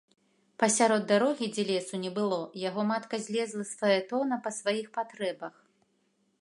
Пасярод дарогі, дзе лесу не было, яго матка злезла з фаэтона па сваіх патрэбах.